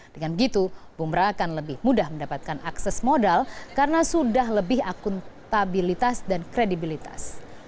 dengan begitu bumra akan lebih mudah mendapatkan akses modal karena sudah lebih akuntabilitas dan kredibilitas